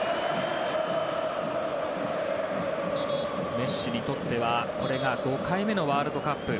メッシにとってはこれが５回目のワールドカップ。